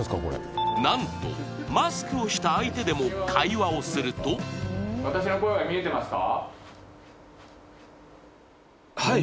何とマスクをした相手でも会話をすると私の声が見えてますか？